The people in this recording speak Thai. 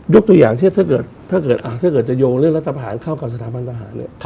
ยกตัวอย่างเชฟถ้าจะโยงเรื่องรัฐผารเข้ากับสถาบันทหารเนี่ย